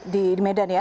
di medan ya